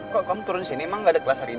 kok kamu turun sini emang gak ada kelas hari ini